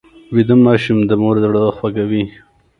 ویده ماشوم د مور زړه خوږوي